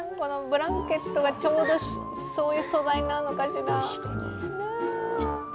ブランケットが、ちょうどそういう素材なのかしら。